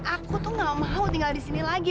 aku tuh gak mau tinggal di sini lagi